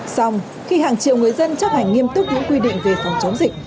xong khi hàng triệu người dân chấp hành nghiêm túc những quy định về phòng chống dịch